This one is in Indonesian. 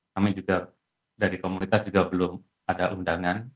kami juga dari komunitas juga belum ada undangan